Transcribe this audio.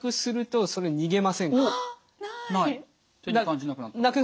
感じなくなった。